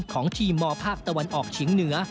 ของทีมมภาคตะวันออกเฉียงเหนือ